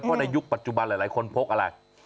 เพราะในยุคปัจจุบันหลายคนพกอะไร